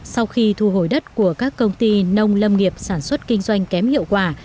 sau khi thu hồi đất của các công ty nông lâm nghiệp sản xuất kinh doanh kém hiệu quả